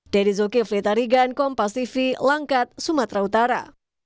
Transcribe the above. dedy zulkifli tarigan kompasifi langkat sumatera utara